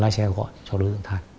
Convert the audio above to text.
lái xe gọi cho đối tượng thái